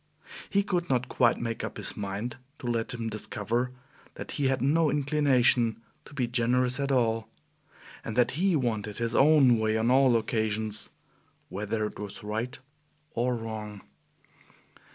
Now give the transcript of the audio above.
He could not quite make up his mind to let him discover that he had no inclination to be generous at all, and that he wanted his own way on all occasions, whether it was right or wrong.